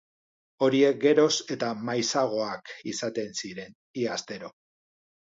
Horiek geroz eta maizagoak izaten ziren, ia astero.